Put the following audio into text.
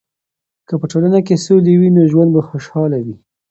که په ټولنه کې سولې وي، نو ژوند به خوشحاله وي.